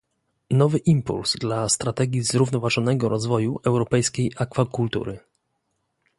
Nowy impuls dla strategii zrównoważonego rozwoju europejskiej akwakultury